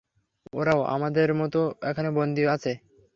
ওরাও আমাদের মতো এখানে বন্দী হয়ে আছে!